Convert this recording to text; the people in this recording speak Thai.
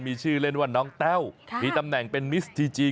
มีชื่อเล่นว่าน้องแต้วมีตำแหน่งเป็นมิสทีจี